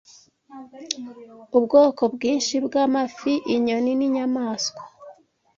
Ubwoko bwinshi bw'amafi, inyoni n’ inyamaswa